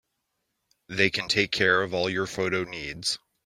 They can take care of all your photo needs.